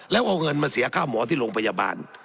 แล้วเอาเงินมาเสียค่าหมอที่โรงพยาบาล